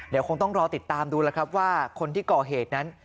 เดี๋ยวคงต้องรอติดตามดูแล้วครับว่าคนที่ก่อเหตุนั้น